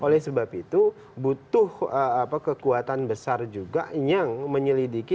oleh sebab itu butuh kekuatan besar juga yang menyelidiki